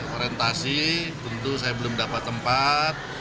orientasi tentu saya belum dapat tempat